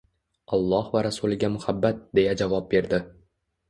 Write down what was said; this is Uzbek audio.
“Alloh va rasuliga muhabbat!” deya javob berdi